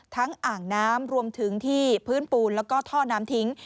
อ่างน้ำรวมถึงที่พื้นปูนแล้วก็ท่อน้ำทิ้ง